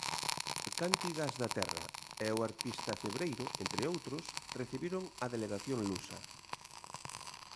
Cántigas da Terra e o artista Cebreiro, entre outros, recibiron a delegación lusa.